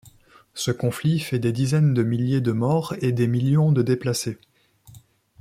Ce conflit fait des dizaines de milliers de morts et des millions de déplacés.